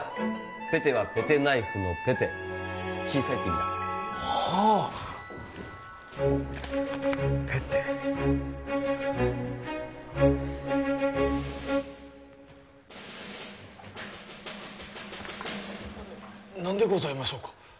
ペテはペテナイフのペテ小さいって意味だはあペテ何でございましょうか？